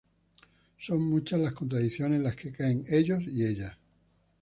Son muchas las contradicciones en las que caen ellos y ellas.